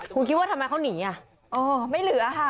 คุณคิดว่าทำไมเขาหนีอ่ะอ๋อไม่เหลือค่ะ